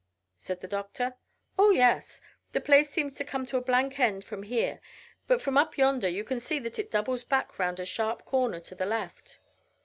said the doctor. "Oh yes; the place seems to come to a blank end from here, but from up yonder you can see that it doubles back round a sharp corner to the left."